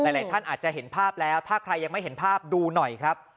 หลายท่านอาจจะเห็นภาพแล้วถ้าใครยังไม่เห็นภาพดูหน่อยครับ